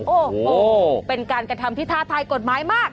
โอ้โหเป็นการกระทำที่ท้าทายกฎหมายมาก